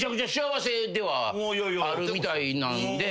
ではあるみたいなんで。